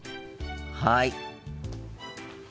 はい。